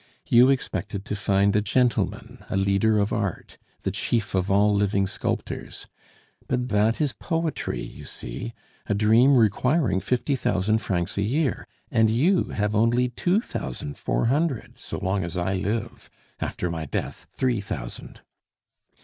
"You expected to find a gentleman, a leader of Art, the chief of all living sculptors. But that is poetry, you see, a dream requiring fifty thousand francs a year, and you have only two thousand four hundred so long as I live. After my death three thousand."